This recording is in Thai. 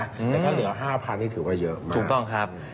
แต่ถ้าเหลือ๕๐๐นี่ถือว่าเยอะถูกต้องครับ